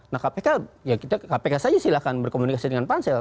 nah kpk ya kita kpk saja silahkan berkomunikasi dengan pansel